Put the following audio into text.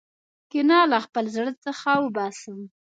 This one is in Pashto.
کین له خپل زړه څخه وباسم.